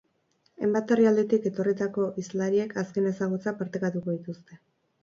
Hainbat herrialdetik etorritako hizlariek azken ezagutzak partekatuko dituzte.